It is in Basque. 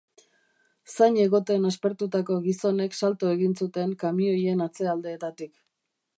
Zain egoten aspertutako gizonek salto egin zuten kamioien atzealdeetatik.